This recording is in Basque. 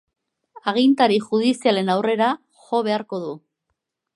Agintari judizialen aurrera jo beharko du.